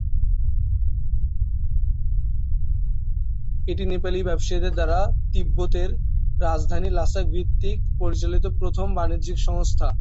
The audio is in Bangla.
এটি নেপালি ব্যবসায়ীদের দ্বারা তিব্বতের রাজধানী লাসা ভিত্তিক পরিচালিত প্রথম বাণিজ্যিক সংস্থা।